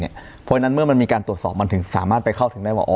เพราะฉะนั้นเมื่อมันมีการตรวจสอบมันถึงสามารถไปเข้าถึงได้ว่า